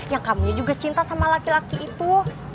yang kamu juga cinta sama laki laki itu